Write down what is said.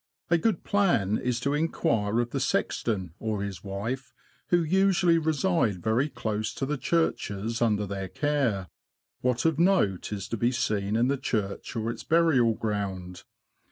A good plan is to inquire of the sexton or his wife — who usually reside very close to the churches under their care — what of note is to be seen in the church or its burial ground.